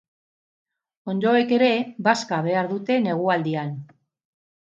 Onddoek ere bazka behar dute negualdian.